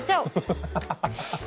ハハハハハ。